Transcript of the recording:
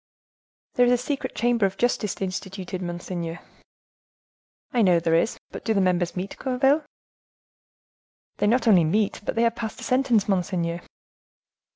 "There is a secret chamber of justice instituted, monseigneur." "I know there is, but do the members meet, Gourville?" "They not only meet, but they have passed a sentence, monseigneur."